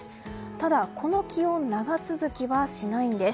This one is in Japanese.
ただこの気温、長続きはしないんです。